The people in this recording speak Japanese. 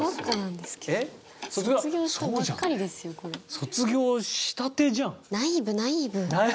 卒業したてじゃん！